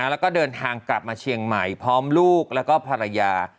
แล้วก็เดินทางกลับมาเชียงใหม่พร้อมลูกแล้วก็ภรรยา